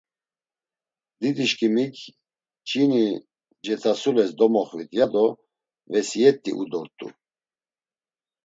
Didişkimik jini cetasules domoxvit ya do vesiyet̆i u dort̆u.